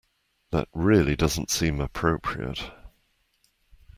That really doesn't seem appropriate.